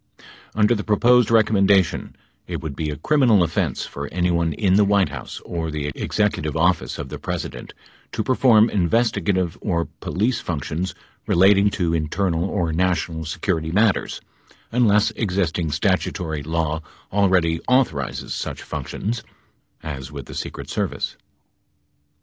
Under the proposed recommendation it would be a criminal offense for anyone in the White House or the Executive Office of the Presi dent to perform investigative or police functions relating to internal or national security matters, unless existing statutory law already au thorizes such functions (as with the Secret Service).